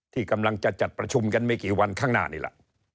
ที่กำลังจะจัดประชุมกันไม่กี่วันข้างหน้านี่แหละ